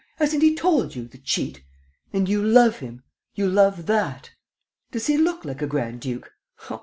Hasn't he told you, the cheat? ... And you love him, you love that! Does he look like a grand duke?